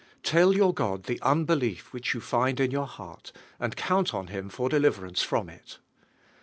Tell your God the unbelief which you find in your heart, and count on Him for deliverance from it.